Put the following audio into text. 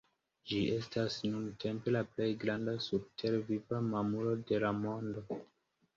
Ĝi estas nuntempe la plej granda surtere viva mamulo de la mondo.